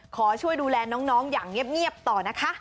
ขอช่วยดูแลน้องอย่างเงียบต่อนะคะ